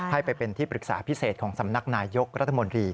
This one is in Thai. ให้ไปเป็นที่ปรึกษาพิเศษของสำนักนายยกรัฐมนตรี